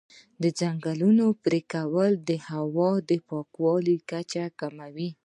د ځنګلونو پرېکول د هوا د پاکوالي کچه کموي.